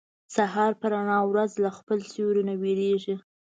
ساره په رڼا ورځ له خپل سیوري نه وېرېږي.